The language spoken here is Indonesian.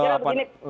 saya kira begini pak